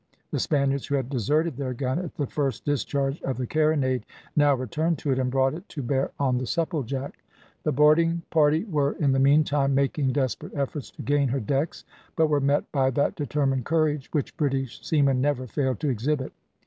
The Spaniards, who had deserted their gun at the first discharge of the carronade, now returned to it, and brought it to bear on the Supplejack. The boarding party were, in the meantime, making desperate efforts to gain her decks, but were met by that determined courage which British seamen never fail to exhibit.